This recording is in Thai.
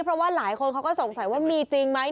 เพราะว่าหลายคนเขาก็สงสัยว่ามีจริงไหม